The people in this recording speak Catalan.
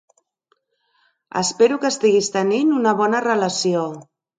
Espero que estiguis tenint una bona relació.